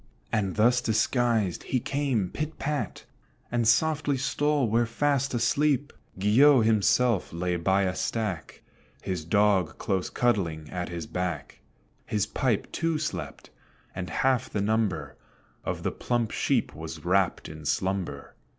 And thus disguised, he came, pit pat, And softly stole where fast asleep Guillot himself lay by a stack, His dog close cuddling at his back; His pipe too slept; and half the number Of the plump sheep was wrapped in slumber.